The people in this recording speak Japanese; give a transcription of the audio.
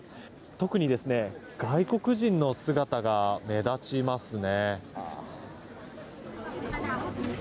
特に外国人の姿が目立ちますね。